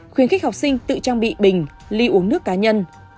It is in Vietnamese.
khuyến khích học sinh tự trang bị bình ly uống nước cá nhân